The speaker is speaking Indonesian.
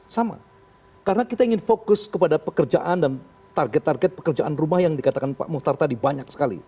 sama karena kita ingin fokus kepada pekerjaan dan target target pekerjaan rumah yang dikatakan pak muhtar tadi banyak sekali